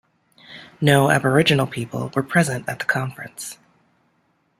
No Aboriginal people were present at the conference.